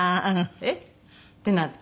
えっ？ってなって。